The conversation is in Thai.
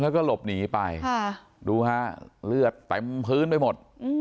แล้วก็หลบหนีไปดูฮะเลือดเต็มพื้นไปหมด